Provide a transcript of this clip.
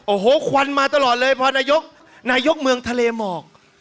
โอ้โหควันมาตลอดเลยพอนายกนายกเมืองทะเลหมอก